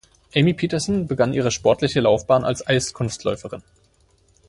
Amy Peterson begann ihre sportliche Laufbahn als Eiskunstläuferin.